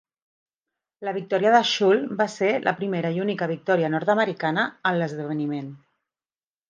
La victòria de Schul va ser la primera i única victòria nord-americana en l'esdeveniment.